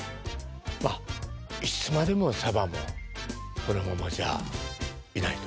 まあいつまでもサバもこのままじゃいないと思いますよ。